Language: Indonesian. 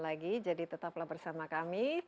lagi jadi tetaplah bersama kami